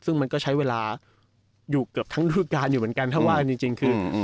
ซึ่งมันก็ใช้เวลาอยู่เกือบทั้งรูปการณ์อยู่เหมือนกันถ้าว่ากันจริงคือ